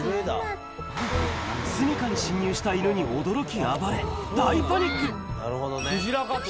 住みかに侵入した犬に驚き暴れ大パニック。